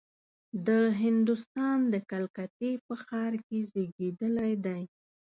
د هندوستان د کلکتې په ښار کې زېږېدلی دی.